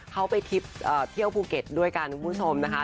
เขาไปทริปเที่ยวภูเก็ตด้วยกันคุณผู้ชมนะคะ